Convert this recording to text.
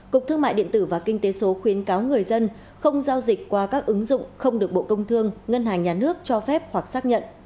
cục thương mại điện tử và kinh tế số khuyến cáo người dân không giao dịch qua các ứng dụng không được bộ công thương ngân hàng nhà nước cho phép hoặc xác nhận